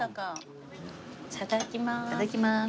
いただきます。